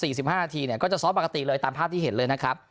๔๕นาทีเนี่ยก็จะซ้อมปกติเลยตามภาพที่เห็นเลยนะครับ